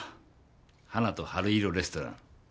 『ハナと春色レストラン』。